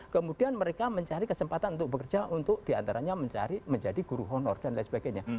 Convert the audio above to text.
kemudian mereka mencari kesempatan untuk bekerja untuk diantaranya mencari menjadi guru honor dan lain sebagainya